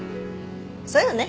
そうよね。